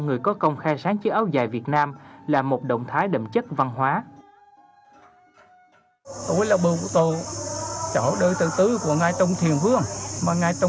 người có công khai sáng chiếc áo dài việt nam